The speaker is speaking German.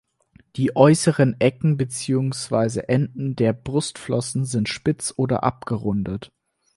Die äußeren Ecken beziehungsweise Enden der Brustflossen sind spitz oder abgerundet.